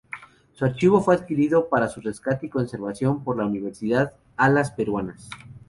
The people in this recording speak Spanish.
Su archivo fue adquirido para su rescate y conservación por la Universidad Alas Peruanas.